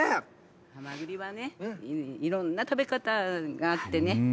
はまぐりはね、いろんな食べ方があってね。